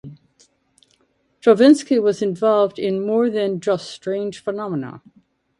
Chorvinsky was involved in more than just strange phenomena.